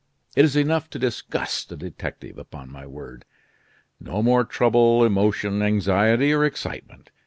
It is enough to disgust a detective, upon my word. No more trouble, emotion, anxiety, or excitement.